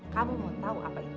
kamu mau tahu apa itu